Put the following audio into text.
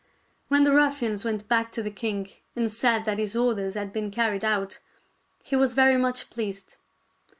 When the ruffians went back to the king and said that his orders had been carried out, he was very much pleased.